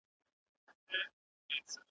معجزه د خپل خالق یم، منترونه ماتومه .